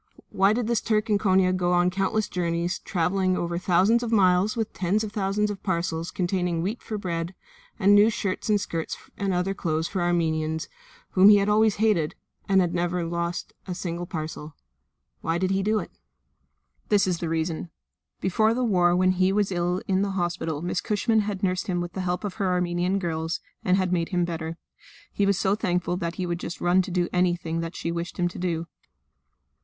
Why did this Turk in Konia go on countless journeys, travelling over thousands of miles with tens of thousands of parcels containing wheat for bread and new shirts and skirts and other clothes for the Armenians whom he had always hated, and never lose a single parcel? Why did he do it? This is the reason. Before the war when he was ill in the hospital Miss Cushman had nursed him with the help of her Armenian girls, and had made him better; he was so thankful that he would just run to do anything that she wished him to do.